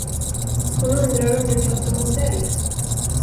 Hon undrar om du kan stå modell.